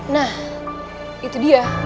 nah itu dia